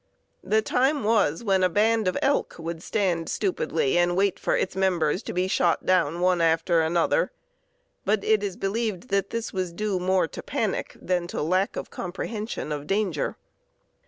The time was when a band of elk would stand stupidly and wait for its members to be shot down one after another; but it is believed that this was due more to panic than to a lack of comprehension of danger.